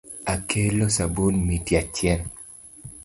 Akelo sabun miti achiel.